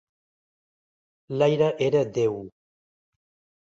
L'aire era déu.